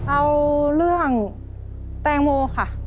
เอาเรื่องแตงโมค่ะ